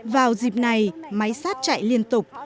vào dịp này máy sắt chạy liên tục